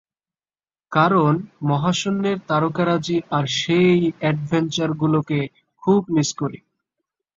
কারণ, মহাশূন্যের তারকারাজি আর সেই এডভেঞ্চারগুলোকে খুব মিস করি।